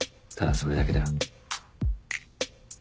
ただそれだけだよ。